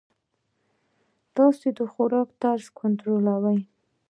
ستاسي د خوراک طرز کنټرولوی.